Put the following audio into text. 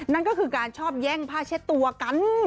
นั่นก็คือการชอบแย่งผ้าเช็ดตัวกัน